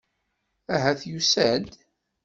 Ahat yusa-d.